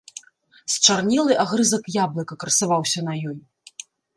Счарнелы агрызак яблыка красаваўся на ёй.